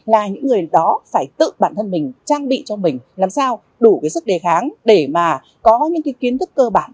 là những người đó phải tự bản thân mình trang bị cho mình làm sao đủ cái sức đề kháng để mà có những cái kiến thức cơ bản